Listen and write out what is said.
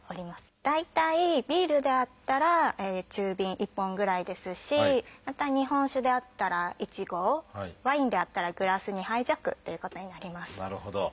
大体ビールであったら中瓶１本ぐらいですしまた日本酒であったら１合ワインであったらグラス２杯弱ということになります。